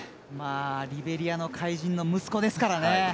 リベリアの怪人の息子ですからね。